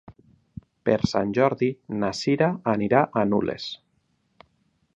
Per Sant Jordi na Cira anirà a Nules.